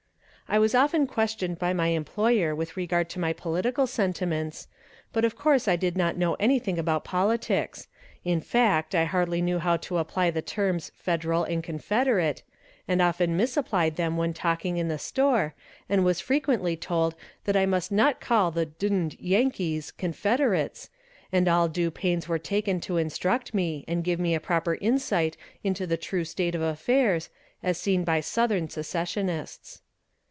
I was often questioned by my employer with regard to my political sentiments, but of course I did not know anything about politics in fact I hardly knew how to apply the terms Federal and Confederate, and often misapplied them when talking in the store, and was frequently told that I must not call the d d Yankees, Confederates, and all due pains were taken to instruct me, and give me a proper insight into the true state of affairs, as seen by Southern secessionists.